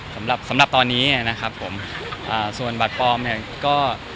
สำหรับตอนนี้นะครับผมอ่าส่วนบาทปอมเนี่ยก็